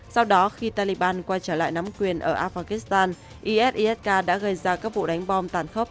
sau đó khi taliban quay trở lại nắm quyền ở afghanistan isiska đã gây ra các vụ đánh bom tàn khốc